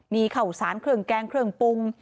มีข้าวสารเครื่องแกงเครื่องปรุง